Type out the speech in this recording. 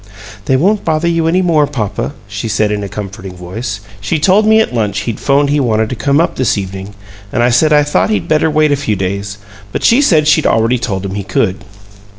"They won't bother you any more, papa," she said, in a comforting voice. "She told me at lunch he'd 'phoned he wanted to come up this evening, and I said I thought he'd better wait a few days, but she said she'd already told him he could."